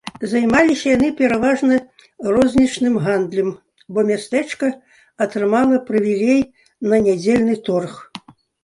Займаліся яны пераважна рознічным гандлем, бо мястэчка атрымала прывілей на нядзельны торг.